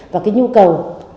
và nhu cầu